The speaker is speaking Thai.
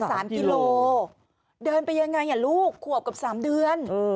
สามกิโลเดินไปยังไงอ่ะลูกขวบกับสามเดือน